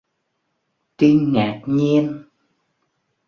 Trinh ngạc nhiên